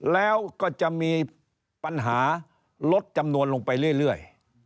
แล้วก็จะมีปัญหาลดจำนวนลงไปเรื่อย